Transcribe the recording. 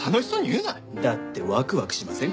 だってワクワクしません？